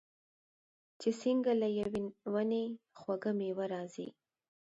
چې څنګه له یوې ونې خوږه میوه راځي.